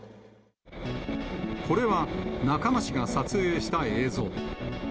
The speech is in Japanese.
これは仲間氏が撮影した映像。